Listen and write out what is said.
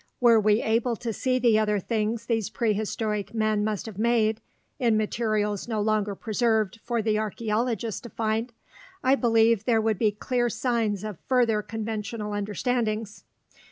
Were we able to see the other things these prehistoric men must have made in materials no longer preserved for the archeologist to find I believe there would be clear signs of further conventional understandings.